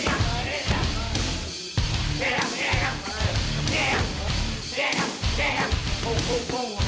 ตัวอะไรบ้าง